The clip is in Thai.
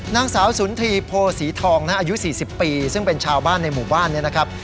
นางสาวสุนทรีย์โพศีทองอายุ๔๐ปีซึ่งเป็นชาวบ้านในหมู่บ้านเนี่ยนะครับ